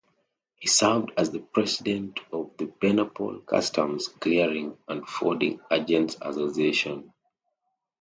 He served as the President of Benapole Customs Clearing and Forwarding Agents Association.